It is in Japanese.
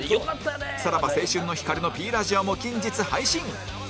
さらば青春の光の Ｐ ラジオも近日配信